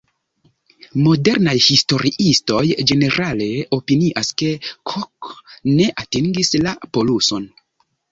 Modernaj historiistoj ĝenerale opinias, ke Cook ne atingis la poluson.